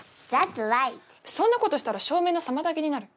’ｓｒｉｇｈｔ．そんなことしたら照明の妨げになる。